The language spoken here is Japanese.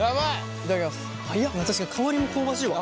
確かに香りも香ばしいわ。